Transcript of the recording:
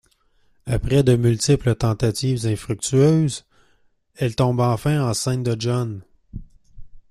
Après de multiples tentatives infructueuses, elle tombe enfin enceinte de John.